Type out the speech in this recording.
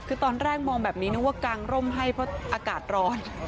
คือตอนแรกมองแบบนี้นึกว่ากางร่มให้เพราะอากาศร้อน